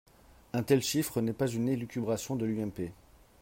Un tel chiffre n’est pas une élucubration de l’UMP.